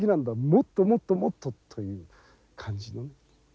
もっともっともっと」という感じの。